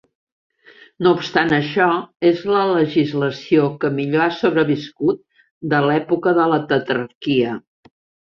No obstant això, és la legislació que millor ha sobreviscut de l'època de la tetrarquia.